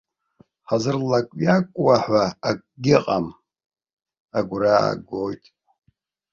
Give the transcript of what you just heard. Ҳзырлакҩакуа ҳәа акгьы ыҟам, агәра аагоит.